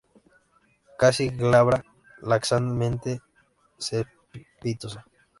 Casi glabra, laxamente cespitosa.